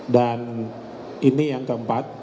dan ini yang keempat